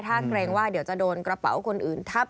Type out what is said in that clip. ถ้าเกรงว่าเดี๋ยวจะโดนกระเป๋าคนอื่นทับ